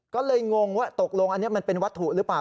ก็เลยงงว่าตกลงอันนี้มันเป็นวัตถุหรือเปล่า